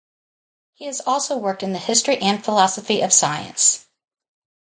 He has also worked in the history and philosophy of science.